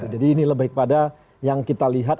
jadi ini lebih kepada yang kita lihat